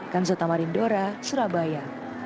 kansel tamarindora surabaya